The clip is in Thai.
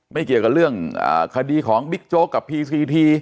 เกี่ยวกับเรื่องคดีของบิ๊กโจ๊กกับพีซีที